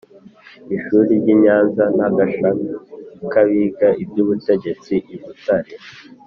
ishuri ry i Nyanza n agashami k abiga iby ubutegetsi i Butare